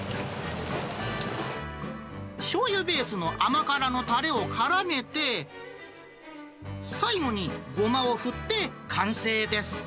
しょうゆベースの甘辛のたれをからめて、最後にゴマを振って完成です。